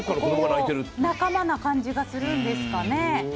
仲間な感じがするんですかね。